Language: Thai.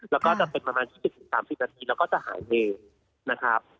แล้วก็จะเป็นประมาณ๒๐๓๐นาทีแล้วก็จะหายเมนนะครับ